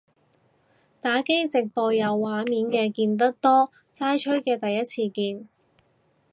打機直播有畫面嘅見得多，齋吹嘅第一次見